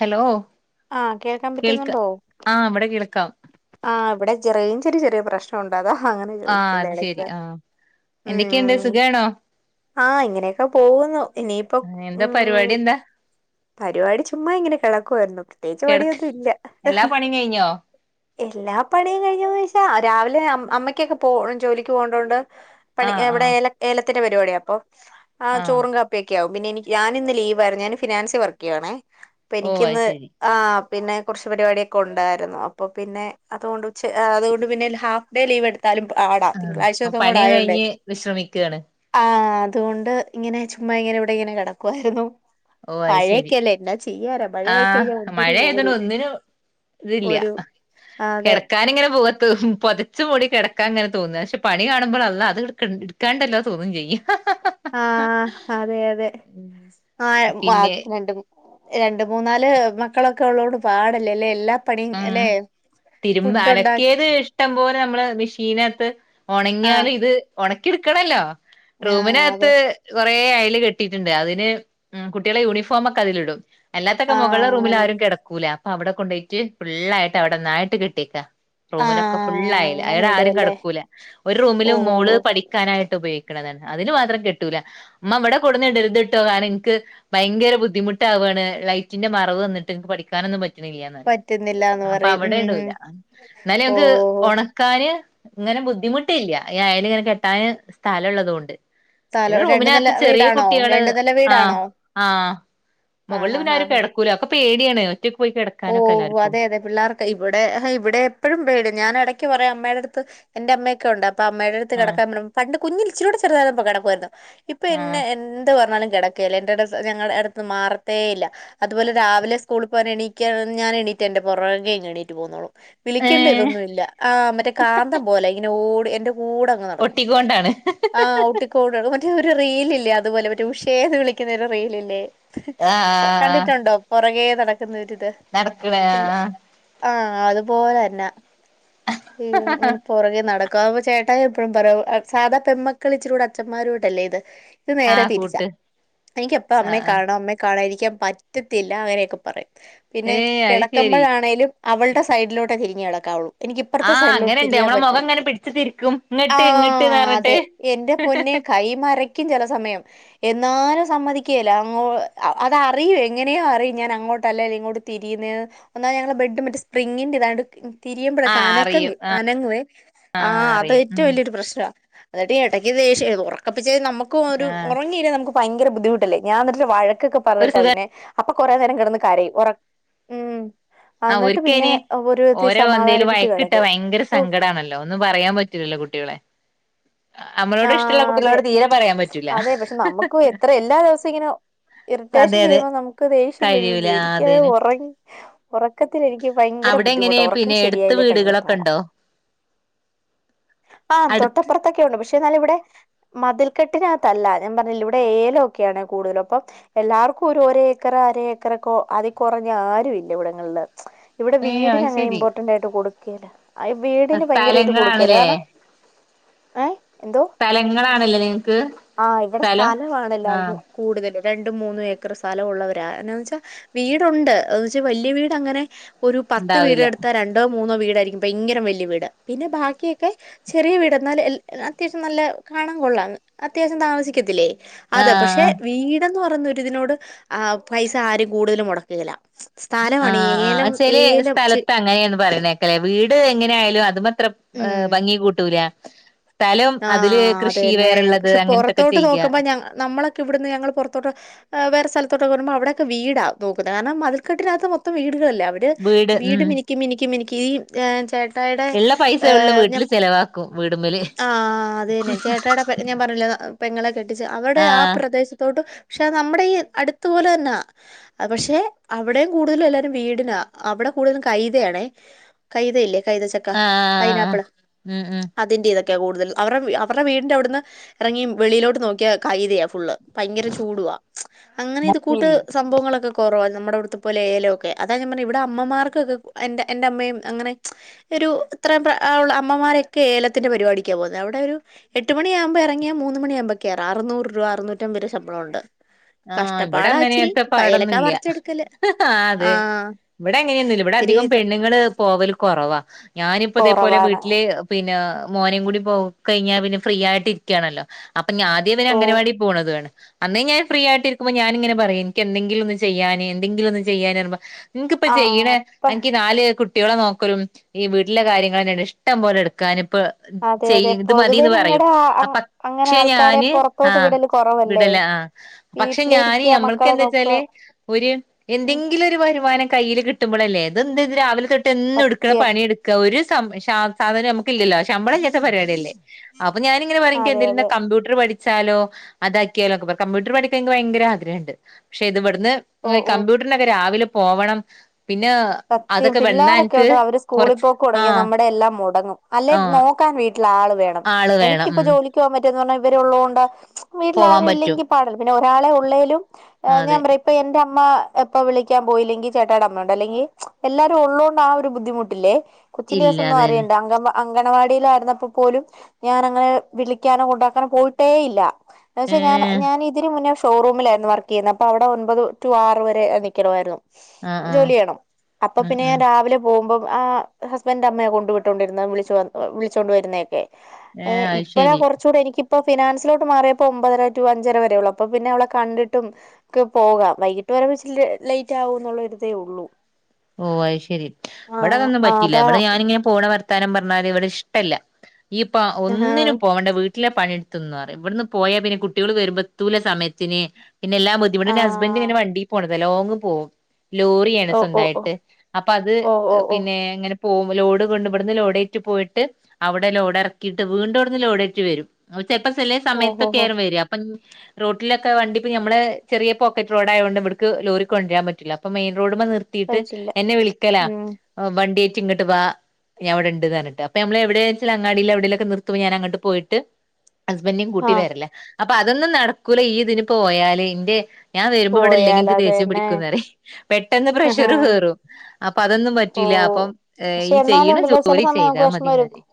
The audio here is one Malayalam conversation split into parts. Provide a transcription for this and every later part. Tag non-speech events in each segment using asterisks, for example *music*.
ഹലോ. ആഹ് കേൾക്കാൻ പറ്റുന്നുണ്ടോ? ആഹ് വടെ കെൾക്കാം. ആഹ് വടെ ചെ റെയ്ഞ്ചിന് ചെറ്യേ പ്രശ്നോണ്ട്. അതാ ഹങ്ങനെ ആ ചോയ്ക്കുന്നേ അത് ശെരി എടയ്ക്ക്. ആ എന്തൊക്കെയുണ്ട് സുഖാണോ? ആഹ് ഇങ്ങനെയൊക്കെ പോകുന്നു ഇനിയിപ്പൊ ആ, എന്താ ഉം. പരിപാടി എന്താ പരിപാടി ചുമ്മാ ഇങ്ങനെ കിടക്കുവായിരുന്നു പ്രത്യേകിച് കിടക്ക പണിയൊന്നും ഇല്ല എല്ലാ പണിയും കഴിഞ്ഞോ എല്ലാ പണിയും കഴിഞ്ഞോന്നോയ്ച്ചാ രാവിലെ അം അമ്മയ്ക്കൊക്കെ പോ ജോലിക്ക് പോണ്ടോണ്ട് ആ പണി എഹ് ആ ഇവടെ ഏല ഏലത്തിന്റെ പരിപാടിയ അപ്പൊ ആ ചോറും ക പെക്ക്യാവും പിന്നെനിക്ക് ഞാനിന്ന് ലീവ് ആയ്രുന്നു ഞാന് ഫിനാൻസിൽ വർക്ക്യ്യാണേ അപ്പൊ ഓ അത് എനിക്കിന്ന് ശരി ആഹ് പിന്നെ കുറച്ച് പരിപാടിയൊക്കെ ഉണ്ടായിരുന്നു അപ്പൊ പിന്നെ അതോണ്ട് ഉച്ച് അതുകൊണ്ട് പിന്നെ ഹാഫ് ഡേ ലീവ് എടു താലും പാടാ ആ തിങ്കളാഴ്ച അപ്പൊ ദിവസം കൂടെ പണി ആയോണ്ടേ കഴിഞ്ഞ് വിശ്രമിക്കുകയാണ് ആഹ് അതുകൊണ്ട് ഇങ്ങനെ ചുമ്മാ ഇങ്ങനെ ഇവിടെ ഇങ്ങനെ കിടക്കുവായിരുന്നു ഓഹ് അഹ് ശരി മഴയൊക്കെയല്ലേ എന്നാ ചെയ്യാനാ മഴയായി കഴിഞ്ഞാൽ ആഹ് മഴ ഒന്നിനും ഒരു ആയതോണ്ട് ഒന്നിനു തില്ല ഒരു ആ, അതെ കിടക്കാനിങ്ങനെ പോവാത്തൊ പൊത ച്ചുമൂടി കിടക്കാൻ ഇങ്ങനെ തോന്ന പക്ഷെ പണി കാണുമ്പോൾ അള്ള അത് ഇട്ക്കാണ്ടല്ലോ തോന്നും ചെയ്യും ആഹ് അതെ അതെ പിന്നെ *unintelligible* രണ്ട് മൂന്നാല് മക്കളൊക്കെ ഉള്ളോണ്ട് പാടല്ലേ അല്ലെ എല്ലാ പണിയും ഉം അല്ലെ തിരുമ്പ ഫുഡ് ഉണ്ടാ അലക്കിയത് ഇഷ്ടം പോലെ നമ്മള് മിഷീനകത്ത് ഉണങ്ങിയാൽ ആഹ് ഇത് ഒണക്കിട്ക്കണല്ലോ ആഹ് അത് റൂമിനകത്ത് കൊറെേ അയൽ കെട്ടിയിട്ടുണ്ട് അതിന് കുട്ടികളെ യൂണിഫോമൊക്കെ അതില് ഇടും അല്ലാത്തൊക്കെ ആഹ് മൊകളെ റൂമില് അങ്ങനെ ആരും കിടക്കൂല അപ്പൊ അവിടെ കൊണ്ടോയിട്ട് ഫുള്ളയിട്ട് അവിടൊന്നായിട്ട് കെട്ടിക്കാ റൂമിലൊക്കെ ആഹ് ഫുള്ളയില അങ്ങനെ അടെ ആരും ഇടുവല്ലേ കിടക്കൂല ഒരു റൂമില് ഓഹ് ഓഹ് മോള് ഓഹ് പഠി ക്കാനായിട്ട് ഉപയോഗിക്ക്ണതാണ് അതില് മാത്രം കെട്ടൂല മ്മ ഇവിടെ കൊടുന്ന് ഇടരുത്ട്ടോ കാരണം എനിക്ക് ഭയങ്കര ബുദ്ധിമുട്ടാവാണ് ലൈറ്റിന്റെ മറവ് വന്നിട്ട് ഇൻക്ക് പഠിക്കാനൊന്നും പറ്റ്ണില്ലന്ന് പറയും പറ്റുന്നില്ലാന്ന് അപ്പൊ പറയും ഉം അവിടെ ഉം ഇടൂല എന്നാലും ഞങ്ങക്ക് ഓഹ് ഓഹ് ഓഹ് ഒണ ക്കാന് ഇങ്ങനെ ബുദ്ധിമുട്ടില്ല ഈ അയല് ഇങ്ങനെ കെട്ടാന് സ്ഥലം ഉള്ളതുകൊണ്ട് ഇത് തല രണ്ട് നില റൂമിനകത്ത് ചെറിയ വീടാണോ കുട്ടികള് രണ്ട് നില ആഹ് വീടാണോ ആഹ് മൊകളല് ആഹ് ആഹ് പിന്നാരും കെടക്കൂല ഒക്കെ പേടിയാണ് ഒറ്റയ്ക്ക് പോയി കിടക്ക ഓഹ് അതെ അതെ പിള്ളേർക്ക് ഇവിടെ ഇവിടെ എപ്പോഴും പേടിയ ഞാൻ ഇടക്ക് പറയും അമ്മയുടെ അടുത്ത് എന്റെ അമ്മയൊക്കെ ഉണ്ട് അപ്പ അമ്മയുടെ അടുത്ത് ആഹ് കെടക്കാൻ പണ്ട് കുഞ്ഞി ഇചിരികൂടെ ചെറുതായിരുന്നപ്പൊ കടക്കുവായിരുന്നു ഇപ്പൊ ആഹ് എന്നെ എന്ത് പറഞ്ഞാലും കിടക്ക ല്ലേ എന്റെ ഞങ്ങളുടെ അടുത്ത് മാറത്തേ ഇല്ല അതുപോലെ രാവിലെ സ്കൂളിൽ പോകാന് എണീ ഞാൻ എണീട്ട് എന്റെ പുറകെ ഇങ് എണീട്ട് പോന്നോളും വിളിക്കേണ്ട ഏഹ് ഇതൊന്നുല്ല ആഹ് മറ്റേ കാന്തം പോലെ ഇങ്ങനെ ഓട് എന്റെ കൂടെ അങ്ങ് നട ഒട്ടികൊണ്ടാണ് ആഹ് *unintelligible* മറ്റേ ഒരു റീലില്ലേ അതുപോലെ മറ്റേ ഉഷേന്ന് വിളിക്കുന്ന ഒരു റീലില്ലേ ആഹ് കണ്ടിട്ടുണ്ടോ പുറകേ നടക്കുന്നരിത് നടക്കണ ആഹ് ആഹ് അതുപോലെ തന്നാ ഇങ്ങനെ പുറകെ നടക്കും ചേട്ടായി എപ്പഴും പറയും സാധാ പെന്മക്കള് ഇച്ചിരി കൂടെ അച്ചന്മാരോടല്ലേ ഇത് ഇത് നേരെ ആഹ് തിരിച്ച കൂട്ട് എനിക്ക് എപ്പ ആഹ് അമ്മയെ ആഹ് കാണണം അമ്മയെ കാണാതിരിക്കാൻ പറ്റ റ്റത്തില്ല അങ്ങനെയൊക്കെ പറയും പിന്നെ ഏയ് അത് ശരി കിടക്കുമ്പോഴാണേലും അവളുടെ സൈഡിലോട്ടേ തിരിഞ്ഞ്കടക്കാവുള്ളൂ എനിക്ക് അപ്പറത്തെ ആഹ് സൈഡിലോട്ട് അങ്ങനെണ്ട് തിരിയാൻ നമ്മളെ പറ്റ മുഖം ഇങ്ങനെ പിടിച്ച് തിരിക്കും ഇങ്ങട്ട് ഇങ്ങട്ട്ന്ന് ആഹ് പറഞ്ഞിട്ട് അതെ എന്റെ പൊന്നെ കൈ മറി ക്യും ചെല സമയം എന്നാലും സമ്മതിക്കേല്ല അങ്ങൊ അത് അറിയും എങ്ങനെയോ അറിയും ഞാൻ അങ്ങോട്ടല്ല ഇങ്ങോട്ട് തിരിയുന്നത് ഒന്നാമത് ഞങടെ ബഡ് മറ്റേ സ്പ്രിംഗിൻ്റെ ഇതായിണ്ട് തിരിയുമ്പോഴേക്കെ ആഹ് അനക്കം അറിയും അനങ്ങുവെ ആഹ് അത് അറിയും ഉം ഏറ്റവും വലിയൊരു പ്രശ്നവാ എന്നിട്ട് ഇടക്ക് ദേഷ്യ ഉറക്കപ്പിച്ചേല് നമുക്ക് ഒരു ആഹ് ഉറങ്ങിലേ നമുക്ക് ഭയങ്കര ബുദ്ധിമുട്ടല്ലേ ഞാൻ എന്നിട്ട് വഴക്കൊക്കെ ഒരു പറഞ്ഞിട്ട പിന്നെ അപ്പൊ കൊറേ നേരം കെടന്ന് കരയും ഉറ ഉം ആഹ് ആ എന്നിട്ട് പിന്നെ ഒരിക്കയ്ന് ഒരു വിതത്തിൽ ഓരോ എന്തേലും സമാധാനിപ്പിച്ച് വഴക്കിട്ടാ കിടന്നു ഭയങ്കര ഓഹ് സങ്കടാണല്ലോ ഒന്നും പറയാൻ പറ്റൂലല്ലോ കുട്ടികളെ നമ്മളോട് ഇഷ്ടള്ള ആഹ് അതെ കുട്ടികളോട് തീരെ പറയാൻ പറ്റൂല അതെ പക്ഷെ നമുക്ക് എത്ര എല്ലാ ദിവസം ഇങ്ങനോ ഇറിറ്റേഷൻ അതെ അതെ ചെയ്യുമ്പോ നമുക്ക് ദേഷ്യം കഴിയൂല വരുല്ലോ എനക്കത് അതേനെ ഉറങ്ങ ഉറക്കത്തിെനിക്ക് ഭയങ്കര അവിടെ എങ്ങനെ ബുദ്ധിമുട്ട് ഉറക്കം പിന്നെ എടുത്ത് ശരിയായില്ലേ ഭയങ്കര വീടുകളൊക്കെ പാടാ ഉണ്ടോ ആഹ് അടുത്ത് തൊട്ടപ്പുറത്തൊക്കെ ഉണ്ട് പക്ഷെ എന്നൽ ഇവിടെ മതിൽക്കെട്ടിനകത്തല്ല ഞാൻ പറഞ്ഞില്ല ഇവിടെ ഏലൊക്കെയാണ് കൂടുതലും അപ്പം. എല്ലാവർക്കും ഒരു ഒരേക്കറ അര ഏക്കറ ഒക്കെ അതി കുറഞ്ഞ ആരും ഇല്ല ഇവിടങ്ങളില്. ഇവിടെ ഏ വീടിന് അത് അങ്ങനെ ശരി ഇമ്പോർട്ടന്റ് ആയിട്ട് കൊടുക്കേല്ല. *unintelligible* വീടിന് ഭയങ്കര ഇത് കൊടുക്കേല സ്ഥലങ്ങളാണ്ല്ലേ കാരണം ഏഹ് എന്തോ സ്ഥലങ്ങളാണല്ലേ നിങ്ങക്ക് ആഹ് ഇവിടെ സ്ഥലം സ്ഥലവാണ എല്ലാർക്കും ആഹ് കൂടുതൽ രണ്ട് മൂന്ന് ഏക്കർ സ്ഥലമുള്ളവരാ. എന്നാന്ന് വെച്ചാൽ വീടുണ്ട് എന്ന് വെച്ചാ വലിയ വീട് അങ്ങനെ ഒരു പത്ത് വീട് ഉണ്ടാവില്ല എടുത്താ രണ്ട് രണ്ട് മൂന്നോ വീടയിരിക്കും ഭയങ്കര വലിയ വീട് പിന്നെ ബാക്കിയൊക്കെ ചെറിയ വീട് എന്നാല് അത്യാവശ്യം നല്ല കാണാൻ കൊള്ളൻ അത്യാവശ്യം താമസിക്കത്തില്ലേ അതെ പക്ഷെ ആഹ് വീട്ന്ന് പറഞ്ഞൊരി ഇതിനോട് ആ പൈസ ആരും കൂടുതലും മുടക്കല്ല. ആഹ് ആഹ് ചെല ചെ സ്ഥലത്ത് അങ്ങനെയാന്ന് പറിണ ക്കലെ, വീട് എങ്ങനെ ആയാലും അതിനത്രെ ഉം ഭംഗി കൂട്ടൂല. സ്ഥലം അതില് ആഹ് കൃഷി അതന്നെ. വേറെള്ളത് പക്ഷെ അങ്ങനത്തൊക്കെ പൊറത്തോട്ട് ചെയ്യ. നോക്കുമ്പോ ഞ നമ്മളൊക്കെ ഇവിടുന്ന് ഞങ്ങൾ പുറത്തോട്ട് ഏഹ് വേറെ സ്ഥലത്തൊക്കെ വരുമ്പോ അവിടെക്കേ വീടാ നോക്കുന്നത് കാരണം മതിൽക്കെട്ടിനകത്ത് മൊത്തം വീടുകളല്ലോ. അവി ര് വീട് മിനുക്കി മിനുക്കി മിനുക്കി ഈ ചേട്ടായടെ ഏഹ് ഞ ചിലവാക്കും വീടുമല് ആഹ് അത് തന്നെ ചേട്ടയുടെ പെ ഞാൻ പറഞ്ഞില്ലേ പെങ്ങളെ കെട്ടിച്ച് അവിടെ ആഹ് പ്രദേശത്തോട്ട്. പക്ഷെ നമ്മുടെ ഈ അടുത്തപോലെ തന്നാ പക്ഷെ അവിടെയും കൂടുതലും എല്ലാരും വീടിന അവിടെ കൂടുതലും കൈതയാണേ. കൈതയില്ലേ കൈത ചക്ക ആഹ് ആഹ് പൈനാപ്പിൾ ഉം ഉം അതിൻ്റ ഇതൊക്കെ കൂടുതൽ അവരുടെ അവടെ വീടിന്റെറെ അവിടുന്ന്, ഇറങ്ങി വെളിയിലോട്ട് നോക്കിയ കൈതയ്യ ഫുള്. ഭയങ്കര ചൂടുവാ അങ്ങനെ ഇത് അത് കൂട്ട് ശരി സംഭവങ്ങളൊക്കെ കൊറവോ നമ്മുടെ ഇവുടുത്തെ പോലെ ഏലം ഒക്കെ, അതാ ഞൻ പറഞ്ഞ ഇവിടെ അമ്മമാർക്കൊക്കെ എന്റെ എന്റെ അമ്മയും അങ്ങനെ ഒരു ഇത്രയും ഉള്ള അമ്മമാരൊക്കെ ഏലത്തിന്റെ പരിപാടി ക്കാ പോവുന്നെ, അവിടെ ഒരു എട്ട് മണിയാവുമ്പോൾ ഇറങ്ങിയ മൂന്ന് മണിയുമ്പോ കയറ ആറുന്നൂറ് രൂപ അറുന്നൂറ്റമ്പത് ശമ്പളംഉണ്ട് ആഹ് ഇവിടെ അങ്ങനെയത്തെ ഏലക്ക പാടൊന്നുംല്ല പറിച്ചെടുക്കല് ആ അതെ ഇവിടെ എങ്ങനെയൊന്നും ഇല്ല, ഇവിടെ ഇത്തിരി അധികം ഇത് പെണ്ണുങ്ങള് പോവല് കുറവാ ഞാനിപ്പോ ഇതേ പോലെ കുറവാണ് വീട്ടിൽ. പിനെ മോനും കൂടി പോവും കഴിഞ്ഞാൽ പിന്നെ ഫ്രീ ആയിട്ടിരിക്കയാണല്ലോ അപ്പൊ ആദ്യം ഇവന് ഓ അംഗനവാടി പോണത് ആണ്. അന്നേ ഞാൻ ഫ്രീ ആയിട്ട ഇരിക്കുമ്പോ ഞാനിങ്ങനെ പറയും എനിക്ക് എന്തെങ്കിലും ഒന്ന് ചെയ്യാൻ എന്തങ്കിലും ഒന്ന് ചെയ്യാൻ പറുമോ ഇനിക് ഇപ്പ ആ ചെയ്യണ അപ്പ അൻക്ക് നാല് കു കുട്ടികളെ നോക്കലും ഈ വീട്ടിലെ കാര്യങ്ങൾ തന്നെ ഇണ്ട് ഇഷ്ടം പോലെ എടുക്കാന്. പ്പ അതെ ചെയ്യ്, അതെ ഇത് പൊതുവെ മതിന്ന് പറയും നിങ്ങടെ ആ അ അങ്ങനെ പക്ഷെ ആൾക്കാരെ ഞാന് പുറത്തോട്ട് ആഹ് വിടല് കുറവല്ലേ വിടല ആഹ് പക്ഷെ ഞാന് വീട്ടിലിരിക്ക നഞമ്മൾക്ക് മക്കളെ എന്താ നോക്കുക വെച്ചാല് ഒരു ഉം എന്തെങ്കിലും ഒരു വരുമാനം കയ്യിൽ കിട്ട്പോളെ അല്ലെ, അത് എന്ത് രാവിലെ തൊട്ട് എനും എടുക്കണ സത്യം പണിയ എടുക്ക ഒരു സം, സാധനം നമുക്ക് ഇല്ലല്ലോ ശമ്പളം ഇലത പരിപാടി അല്ലേ അപ്പൊ ഞാന്. ഇങ്ങനെ പറയും, ഇന്ക് അതെ എന്തേലും ന്ന അതെ കമ്പ്യൂട്ടർ പഠിച്ചാലോ അതാക്കിയാലോ കമ്പ്യൂട്ടർ പഠി ക്കാൻ ഇനിക്ക് ഭയങ്കര ആഗ്രഹംണ്ട്, പക്ഷെ ഇതിവിടന്ന് ഓ ഏഹ് ഓ കമ്പ്യൂട്ട ക്കെ രാവിലെ പോവണം പിന്നെ സത്യം അതൊക്കെ വന്നാ പിള്ളാരൊക്കെ എനിക്ക് ഉണ്ട് അവര് സ്കൂളിൽ കൊറച്ച് പോക്ക് തുടങ്ങിയ ആഹ് നമ്മുടെ എല്ലാം മുടങ്ങും. അല്ലെ ആഹ് നോക്കാൻ വീട്ട ട്ടിൽ ആള് വേണം ആള് എനിക്ക് വേണം ഇപ്പോ ഉം ജോലി പോവാൻ പറ്റന്ന് പറഞ്ഞാൽ ഇവരെ ഉള്ളതുകൊണ്ട് ആണ്, വീട്ടിൽ പോവാൻ ആരും പറ്റും ഇല്ലെങ്കിൽ പാട് പിന്നെ ഒരാളെ ഉള്ളേലും. ഞാൻ അതെ പറയാ ഇപ്പൊ എന്റെ അമ്മ എപ്പൊ വിളിക്കാൻ പോയില്ലെങ്കി ചേട്ടാടെ അമ്മ ഉണ്ട്. അല്ലെങ്കിൽ എല്ലാരും ഉള്ളതോണ്ട് ആ ഒരു ബുദ്ധിമുട്ടില്ലേ കൊച്ചിന്റെ ഇല്ല ദിവസം ഒന്നും അതന്നെ അറിയണ്ട അങ്കൻവാ അംഗണവാടിയിലായിരുന്നപ്പോ പോലും ഞാൻ അങ്ങനെ വിളിക്കാനോ കൊണ്ടാക്കാനോ പോയിട്ടേയില്ല. പക്ഷേ ഞാൻ ഏഹ് ഞാൻ ഇതിന് മുന്നേ ഷോറൂമിലായിരുന്നു വർക്ക് ചെയ്യുന്നത് അപ്പൊ അവിടെ ഒൻമ്പത് ടു ആറ് വരെ നിൽക്കണമായിരുന്നു ആഹ് ആഹ് ജോലി ചെയ്യണം അപ്പൊ ഉം പിന്നെ ഞാൻ ഉം രാവിലെ പോകുമ്പം ആഹ് ഹസ്ബൻഡ് അമ്മയെ കൊണ്ട വിട്ടോണ്ടിരുന്ന വിളിച്ചു വിളിച്ചോണ്ട വരുന്നല്ലേ ഏഹ് അത് ഇപ്പഴാ ശരി കൊറച്ച് ചൂടെ എനിക്കിപ്പോ ഫിനാൻസിലോട്ട് മാറിയപ്പോ ഒമ്പര ടു അഞ്ചര വരെ ള്ളൂ അപ്പൊ പിന്നെ അവളെ കണ്ടിട്ടും ക്ക് പോകാം വൈകിട്ട് വരാ വെച്ചിൽ ലേറ്റ് ആക്കും എന്നുള്ളരിതേ ഉള്ളൂ ഓഹ് അത് ശരി ഇവിടെ ആഹ് അതൊന്നും പറ്റില്ല അതാ ഇവിടെ ഞാനിങ്ങനെ പോണ വർത്താനം പറഞ്ഞാല് ഇവിടെ ഇഷ്ടല്ല ഈയിപ്പ ആഹ് ഒന്നിനും പോവണ്ടാ വീട്ടി ലെ പണിയെടുത്ത് നിന്നൊന്ന് പറയും ഇവിട്ന്ന് പോയാ പിന്നെ കുട്ടികൾ വരുമ്പൊ എത്തൂല സമയത്തിന് പിന്നെല്ലാ ബുദ്ധിമുട്ട് എന്റെ ഹസ്ബന്റ് ആഹ് ഇങ്ങനെ വണ്ടിയിൽ പോണതല്ലേ ലോങ് പോകും ലോറിയാണ് ഓ ഓ ഓ സ്വന്തമായിട്ട് ണ്ട് അപ്പൊ അത് ഓ ഓ ഓ പിന്നെ ഇങ്ങനെ പോവും ലോഡ് കൊണ്ടു ഇവിട്ന്ന് ലോഡ് ആയിട്ട് പോയിട്ട് അവിടെ ലോഡ് ഇറക്കിയിട്ട് വീണ്ടും ഇവിടുന്ന് ലോഡ് ആയിട്ട് വരും ചെൽപ്പോ ചെലയെ ഓ സമയത്ത് ഹോ ഹോ ഒക്കെയ്രം വരാ അപ്പം റോട്ടിലൊക്ക വണ്ടിപ്പ നമ്മള് ചെറിയ പോക്കറ്റ് റോഡ ആയുകൊണ്ട് ഇവട്ക്ക് ലോറി കൊണ്ടുരാൻ പറ്റില്ല അപ്പം മെയിൻ റോഡ്മ്മ നിർത്തി ട്ട് പറ്റില്ല എന്നെ വിളിക്കലാ ഉം വണ്ടി ആയിട്ട് ഇങ്ങോട്ട് വാ ഞൻ ഇവിടെണ്ട്ന്ന് പറന്നിട്ട് അപ്പം നമ്മൾ എവിടെ വെച്ചാൽ അങ്ങാടിൽ എവിടെലൊക്കെ നിർത്തു ഞാൻ അങ്ങട്ട് പോയിട്ട് ഹസ്ബൻറിയും കൂട്ടി ആഹ് വരല്ല അപ്പൊ അതൊന്നും നടക്കൂല ഈ ഇതിന് പോയാല് ഇന്റെ ഞാൻ വരുമ്പോ ഇവിടെ ഇല്ലെങ്കിൽ എനിക്ക് ദേഷ്യം പോയാലതന്നെ പിടിക്കുന്ന് പറയും പെട്ടെന്ന് പ്രഷർ കേറും അപ്പൊ അതൊന്നും ഓ പറ്റൂല്ല അപ്പം പക്ഷെ ഈ എന്നാലും ചെയ്യപ്ണ ഉണ്ടല്ലോ ചില ജോലി സമയം ചെയ്താ നമുക്ക് വിഷമം മതിന്ന് വരും പറയും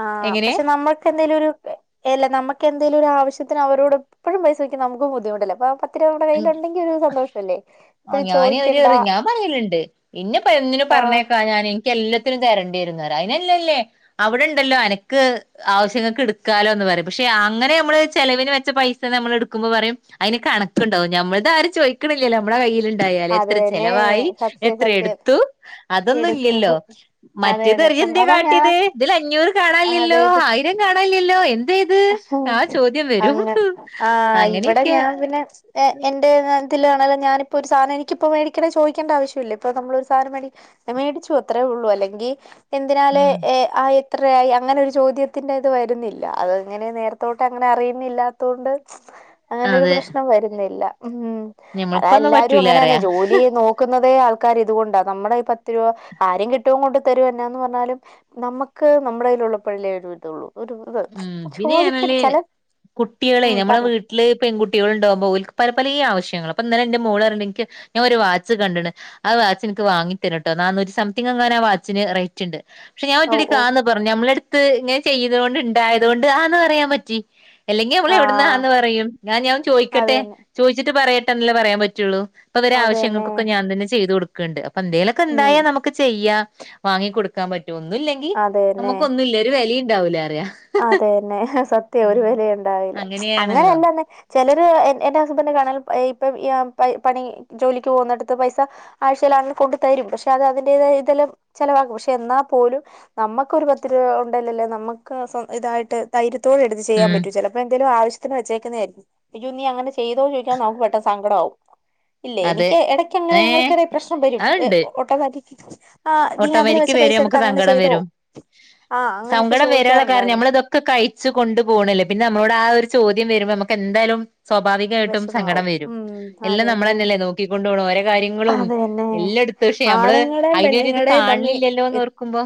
ആ എങ്ങനെ പക്ഷെ നമ്മൾക്ക് എന്തേലും ഒരു അല്ല നമുക്ക് എന്തേലും ഒരു ആശ്യത്തിന് അവരോട് എപ്പയും പൈസ ചോദിക്കുന്നത് നമുക്കും ബുദ്ധിമുട്ടല്ലേ അ പത്ത് രൂപ നമ്മുടെ കയ്യിൽ ഉണ്ടെങ്കിൽ ഒരു സന്തോഷം അല്ലേ ഇപ്പഴും ചോദിക്കണ്ട പറയിലുണ്ട് ഇന്നെ ഇപ്പൊ എന്തിനും ആ പറഞ്ഞേക്കാന്നാൽ ഇൻക്ക് എല്ലാത്തിനും തരേണ്ടി വരുംന്ന് പറയും അയിനല്ലല്ലേ അവിടെണ്ടല്ലോ അനക്ക് ആവശ്യങ്ങൾക്ക് എടുക്കാലോ എന്ന് പറയും പക്ഷെ അങ്ങനെ നമ്മള് ചെലവിന് വെച്ച പൈസന്ന് നമ്മൾ എടുക്കുമ്പോൾ പറയും അയിന് കണക്കുണ്ടാവും നമ്മൾ ആരും ചോദിക്ക്ണില്ലല്ലേ നമ്മളുടെ കയ്യിൽ ഇണ്ട് ണ്ടായാൽ അത് എത്ര തന്നെ ചെലവായി സത്യം എത്ര സത്യം എടുത്തു അതൊന്നും എടുക്കും ഇല്ലല്ലോ അതെ മറ്റേത് അതെ പറയും ഇയ്യ് എന്തേ സ്വന്തം അതാ കാട്ടിയത് ഞാൻ ഇതിൽ അഞ്ഞൂറ് കാണാനില്ലല്ലോ ആയിരം കാണാനില്ലല്ലോ എ അങ്ങനെ ആഹ് ഇവിടെ അങ്ങനെയൊക്കെയാ ഞാൻ പിന്നെ എന്റെ *unintelligible* ഞാനിപ്പോ ഒരു സാനം എനിക്ക് ഇപ്പോ മേടിക്കണേ ചോയിണ്ട ആവശ്യമില്ല ഇപ്പ നമ്മൾ ഒരു സാധനം മേടി ഞാൻ മേടിച്ചു അത്രേ ഉള്ളൂ അല്ലെങ്കിൽ എന്തിനാല് ഉം ആ എത്രയായി അങ്ങനെ ഒരു ചോദ്യത്തിന്റെ ഇത് വരുന്നില്ല അത് അങ്ങനെ നേരത്തോട്ട് അങ്ങനെ അറിയുന്നില്ലാത്ത കൊണ്ട് അങ്ങനെ ഒരു അതെ പ്രശ്നം വരുന്നില്ല ഉം അത് ഞമ്മൾക്കൊന്നും എല്ലാരും പറ്റൂലാ അങ്ങനെ പറയാ തന്നെ ജോലി നോ ക്കുന്നതേ ആൾക്കാര് ഇതുകൊണ്ടാ നമ്മുടെ ഈ പത്ത് രൂപ കാര്യം കെട്ടിയോൻ കൊണ്ട് തരും എന്നാന്ന് പറഞ്ഞാലും നമുക്ക് നമ്മുടെ കയ്ലുള്ള പ്പഴല്ലേ ഒരു ഇതുള്ളൂ ഒരു ഇത് ഉം പിന്നെ ആണേല് ചോദിക്കരുത് ചെല കുട്ടിളെ ഉം നമ്മുടെ വീ പറഞ്ഞു ട്ടില് പെൺകുട്ടികൾ ഉണ്ടാവുമ്പോ ഓല്ക് പലേ പലേ ആവശ്യങ്ങളാ അപ്പൊ ഇന്നലെ ഇന്റെ മോൾ പറയിണ്ട് ഇൻക്ക് ഞാൻ ഒരു വാച്ച് കണ്ട്ണ് ആ വാച്ച് എനിക്ക് വാങ്ങി തരിട്ടോ നാന്നൂറ്റി സംതിങ് എങ്ങാനും ആ വാച്ചിന്റ റൈറ്റ് റ്റുണ്ട് പക്ഷെ ഞാൻ ഓ ഒറ്റയടിക്ക് ഓ ആന്ന് പറഞ്ഞു നമ്മളെടുത്ത് ഇങ്ങനെ ചെയ്ത കൊണ്ട് ഇ ണ്ടായതുകൊണ്ട് ആന്ന് പറയാൻ പറ്റി അല്ലെങ്കി നമ്മൾ ആ എവിടന്ന് ആന്ന് പറയും ഞാൻ ഇനി അഒന്ന് അത് ചോയിക്കട്ടെ തന്നെ ചോയിചിട്ട് പറയട്ടെ എന്നല്ലേ പറയാൻ പറ്റുള്ളൂ അപ്പ അവരെ അത് തന്നെ ആശ്യങ്ങൾക്കൊക്കെ ഞാൻ തന്നെ ചെയ്തു കൊടു ക്ക്ണ്ട് അപ്പൊ എന്തേലൊക്കെ ഉം ഇണ്ടായാ നമുക്ക് ചെയ്യാം വാങ്ങി കൊടുക്കാൻ പറ്റും ഒന്നും ഇല്ലെങ്കിൽ അത് ൽ നമുക്കൊന്നും ഇല്ല ഒരു വെലയും ഉണ്ടാവൂല പറയ അതന്നെ സത്യം ഒരു വിലയും ഉണ്ടാവില്ല അങ്ങനെയാണല്ലോ അങ്ങനെയല്ലന്നെ ചെലര് എന് എന്റെ ഹസ്ബൻഡന്റെ കാണാം ഹേ ഇപ്പൊ പണി ജോലിക്ക് പോകുന്നിടുത്ത് പൈസ ആഴ്ചയിലാണ കൊണ്ട് തരും പക്ഷെ അത് അതിന്റെ ഇതെല്ലാം ചെലവാക്കും പക്ഷെ എന്നാ പോലും നമ്മുക്ക് ഒരു പത്ത് രൂപ ഉണ്ടേല്ലല്ലേ നമ്മക്ക് ക്ക് സൊ ഇതായിട്ട് ധൈര്യത്തോടെ എടുത്ത് ചെയ്യാൻ ഉം പറ്റും ചിലപ്പോൾ എന്തങ്കിലും ആവശ്യം ത്തിന് വച്ചേക്കുന്നതായിരിക്കും അയ്യോ നീ അങ്ങനെ ചെയ്തോന്ന് ചോദിക്കുമ്പം നമുക്ക് പെട്ടെന്ന് സങ്കടമാവും ഇല്ലേ അതെ എനിക്ക് ഇടയ്ക്ക് അങ്ങനെ ഏ ഞങ്ങക്കിട പ്രശ്നം വരും അത്ണ്ട് ഓട്ടോമാറ്റിക്ക് ആഹ് നീ അതിന് ഓട്ടോമാറ്റിക് വെച്ച വരും പൈസ നമുക്ക് എടുത്ത് അങ്ങനെ സങ്കടം ചെയ്തോ? വരും ആഹ് അങ്ങനെയൊക്കെ ചോദി ക്കെ കയിച്ച് കൊണ്ട് പോണല്ലേ പിന്നെ നമ്മളോട് ആ ഒരു ചോദ്യം വെരുമ്പോ നമ്മക്കെന്തായാലും സ്വാഭാവികായിട്ടും സങ്കടം വിഷമാവും വെരും ഉം എല്ലാം അതന്നെ നമ്മളെന്നെയല്ലേ നോക്കിക്കൊണ്ടു പോണേ ഓരെ കാര്യങ്ങളും അതന്നെ എല്ലെട് ത്ത്ക്ഷേ നമ്മള് ആണുങ്ങളുടെയും അയിനൊരിത് പെണ്ണുങ്ങളുടെയും തമ്മി കാൺണില്ലല്ലോന്നോർക്കുമ്പോ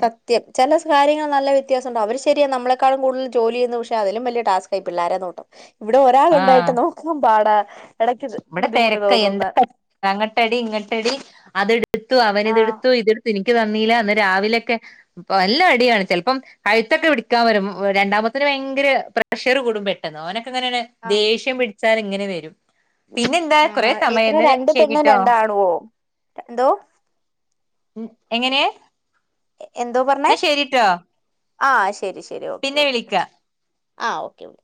സത്യം ചെല കാര്യങ്ങൾ നല്ല വെത്യാസൊണ്ട് അവര് ശെരിയാ നമ്മളെക്കാളും കൂടുതൽ ജോലി ചെയ്യുന്നു പക്ഷെ അതിലും വല്യ ടാസ്ക് ഈ പിള്ളാരെ നോട്ടം ഇവിടെ ആഹ് ഒരാളൊണ്ടായിട്ട് നോക്കുമ്പം പാടാ. ഇടയ്ക്ക് ഇവിടെ ബുദ്ധിമുട്ട് തെരക്കാ തോന്നുന്ന എന്തെക്കെ അങ്ങട്ടടി ഇങ്ങട്ടടി അതെടുത്തു ആ അവനിതെടുത്തു ഇതെടുത്ത് ഇനി എനിക്ക് തന്നീല്ലാ ഇന്ന് രാവിലെക്കെ ഇപ് നല്ല അടിയാണ് ചെലപ്പം കഴുത്തൊക്കെ പിടിക്കാൻ വെരും ഉം രണ്ടാമത്തേന് ഭയങ്കര പ്രഷറ് കൂടും പെട്ടെന്ന് ഓനൊക്കെ ഇങ്ങനെ ആ ദേഷ്യം പിടിച്ചാല് ഇങ്ങനെ വെരും. പിന്നെന്താ കൊറേ ആ സമയായി എത്ര എന്നാല് രണ്ട് പെണ്ണും ശെരിട്ടോ. രണ്ടാണുവോ എന്തോ ഉം എങ്ങനെ? എ എന്തോ പറഞ്ഞെ? എന്നാ ശരിട്ടോ ആഹ് ശരി ശരി ഓക്കേ പിന്നെ ഓക്കെ വിളിക്ക വെച്ചോ ആഹ് ഓക്കെ *unintelligible*